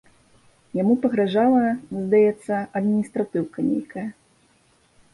Яму пагражала, здаецца, адміністратыўка нейкая.